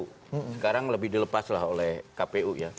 sekarang lebih dilepas lah oleh kpu